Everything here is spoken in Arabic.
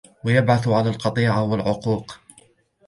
وَيَبْعَثُ عَلَى الْقَطِيعَةِ وَالْعُقُوقِ